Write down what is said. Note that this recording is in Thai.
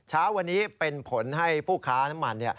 เช้าวันนี้เป็นผลให้ผู้ค้าน้ำมัน